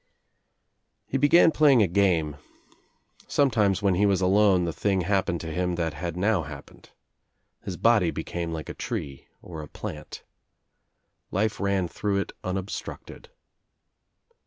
He began playing a game. Sometimes, when he was alone the thing happened to him that had now hap pened. His body became like a tree or a plant. Life ran through It unobstructed.